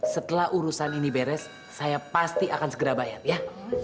setelah urusan ini beres saya pasti akan segera bayar ya